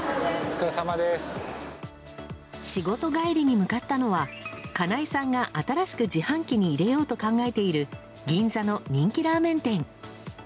仕事帰りに向かったのは金居さんが新しく自販機に入れようと考えている銀座の人気ラーメン店。